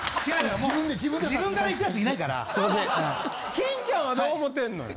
金ちゃんはどう思ってんのよ？